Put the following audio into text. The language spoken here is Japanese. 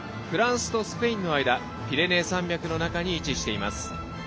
フランスとスペインの間ピレネー山脈の中に位置しています。